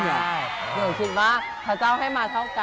หนูคิดว่าพระเจ้าให้มาเท่ากัน